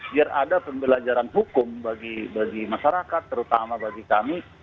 biar ada pembelajaran hukum bagi masyarakat terutama bagi kami